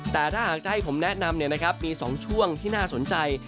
แต่ถ้าหากจะให้ผมแนะนำเนี่ยนะครับมีสองช่วงที่น่าสนใจ